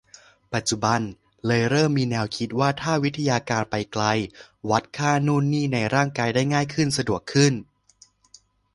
ปัจจุบันเลยเริ่มมีแนวคิดว่าถ้าวิทยาการไปไกล วัดค่านู่นนี่ในร่างกายได้ง่ายขึ้นสะดวกขึ้น